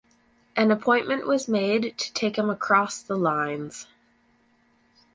An appointment was made to take him across the lines.